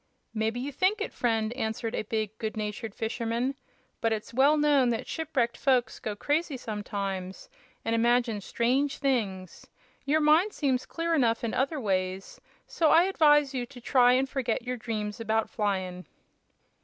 "Mebbe you think it, friend," answered a big, good natured fisherman; "but it's well known that shipwrecked folks go crazy sometimes, an' imagine strange things. Your mind seems clear enough in other ways, so I advise you to try and forget your dreams about flyin'."